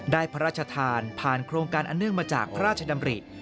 พระราชทานผ่านโครงการอันเนื่องมาจากพระราชดำริ